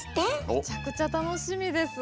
めちゃくちゃ楽しみです。